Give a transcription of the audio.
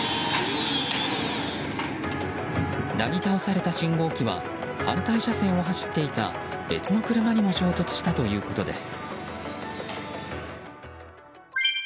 なぎ倒された信号機は反対車線を走っていた別の車にも衝突したということです。